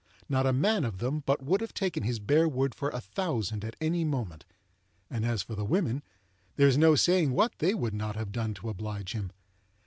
Not a man of them but would have taken his bare word for a thousand at any moment; and as for the women, there is no saying what they would not have done to oblige him.